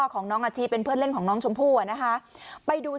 ของน้องอาชิเป็นเพื่อนเล่นของน้องชมพู่อ่ะนะคะไปดู